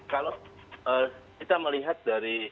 kalau kita melihat dari